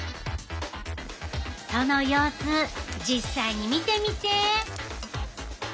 その様子実際に見てみて。